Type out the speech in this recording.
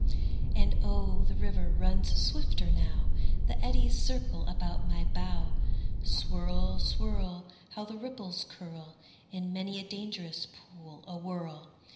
And oh, the river runs swifter now; The eddies circle about my bow. Swirl, swirl! How the ripples curl In many a dangerous pool awhirl!